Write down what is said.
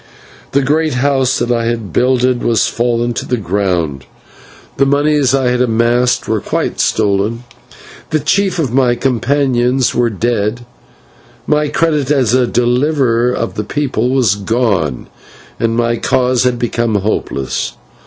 The great house that I had builded was fallen to the ground, the moneys I had amassed were stolen, the chief of my companions were dead, my credit as a deliverer of the people was gone, and my cause had become hopeless.